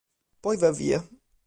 Poi va via.